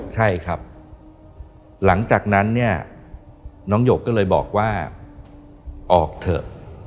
ใช่ครับหลังจากนั้นเนี่ยน้องหยกก็เลยบอกว่าออกเถอะ